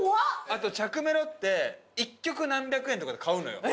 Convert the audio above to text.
あと着メロって１曲何百円とかで買うのよ。